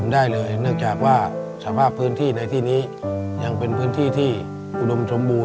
ในแคมเปญพิเศษเกมต่อชีวิตโรงเรียนของหนู